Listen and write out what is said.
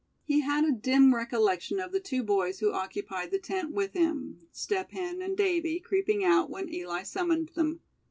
He had a dim recollection of the two boys who occupied the tent with him, Step Hen and Davy, creeping out, when Eli summoned them.